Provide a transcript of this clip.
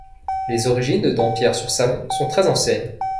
Les origines de Dampierre-sur-Salon sont très anciennes.